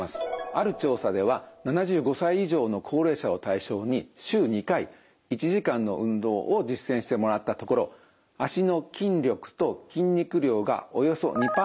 ある調査では７５歳以上の高齢者を対象に週２回１時間の運動を実践してもらったところ足の筋力と筋肉量がおよそ２％アップ。